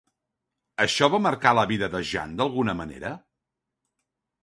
Això va marcar la vida de Jéanne d'alguna manera?